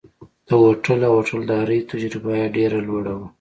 د هوټل او هوټلدارۍ تجربه یې ډېره لوړه وه.